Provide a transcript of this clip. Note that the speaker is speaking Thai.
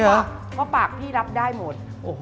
เพราะปากพี่รับได้หมด